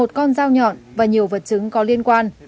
một con dao nhọn và nhiều vật chứng có liên quan